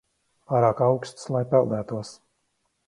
Pārāk auksts, lai peldētos.